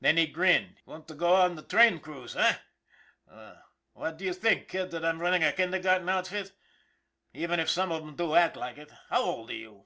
Then he grinned. " Want to go on with the train crews, eh ? What do you think, kid, that I'm running a kindergarten outfit, even if some of 'em do act like it ? How old are you?"